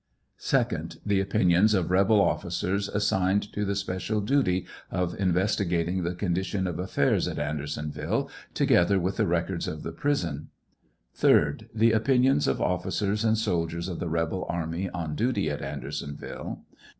2J. The opinions of rebel officers as signed to the special duty of investigating the condition of affairs at Anderson ville, together with the records of the prison. 3d. The opinions of officers and soldier's of the rebel ai my on duty at Andersonville.